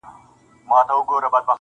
قدرت به نه وای د تُف دانیو -